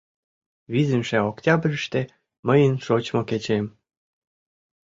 Визымше октябрьыште мыйын шочмо кечем.